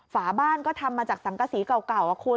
ฝาบ้านก็ทำมาจากสังกษีเก่าคุณ